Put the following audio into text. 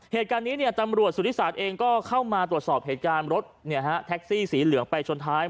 เหตุการณ์นี้ตำรวจสุธิศาสตร์เองก็เข้ามาตรวจสอบเหตุการณ์รถแท็กซี่สีเหลืองไปชนท้าย